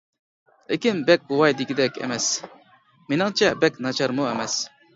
لېكىن بەك ۋاي دېگۈدەك ئەمەس، مېنىڭچە بەك ناچارمۇ ئەمەس.